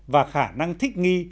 và khả năng thích nghi